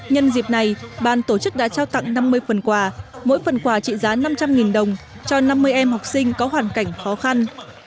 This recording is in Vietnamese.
nhân dịp này ban tổ chức đã trao tặng năm mươi phần quà mỗi phần quà trị giá năm trăm linh đồng cho năm mươi em học sinh có hoàn cảnh khó khăn